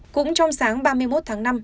cũng trong sáng ba mươi một tháng năm